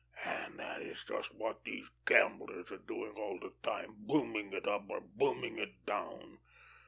And that is just what these gamblers are doing all the time, booming it up or booming it down.